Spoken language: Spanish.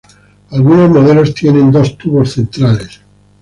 Algunos modelos tienen dos tubos centrales.